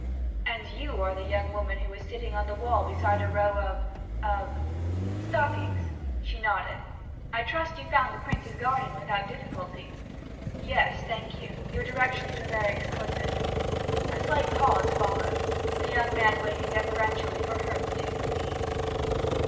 'And you are the young woman who was sitting on the wall beside a row of of ' 'Stockings?' She nodded. 'I trust you found the prince's garden without difficulty?' 'Yes, thank you. Your directions were very explicit.' A slight pause followed, the young man waiting deferentially for her to take the lead.